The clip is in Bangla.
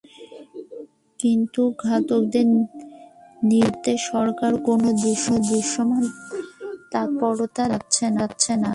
কিন্তু ঘাতকদের নির্মূল করতে সরকারের কোনো দৃশ্যমান তৎপরতা দেখা যাচ্ছে না।